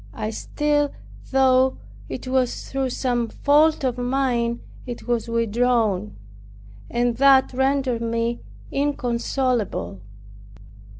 I still thought it was through some fault of mine it was withdrawn, and that rendered me inconsolable.